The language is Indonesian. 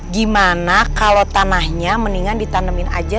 gimana kalau tanahnya mendingan ditanamin aja